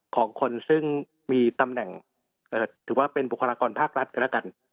ของคนซึ่งมีตำแหน่งถือว่าเป็นบุคลากรภาครัฐก็แล้วกัน